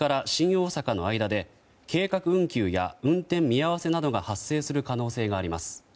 大阪の間で計画運休や運転見合わせなどが発生する可能性があります。